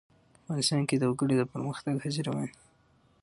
افغانستان کې د وګړي د پرمختګ هڅې روانې دي.